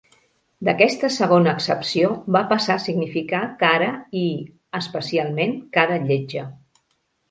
D'aquesta segona accepció va passar a significar cara i, especialment, cara lletja.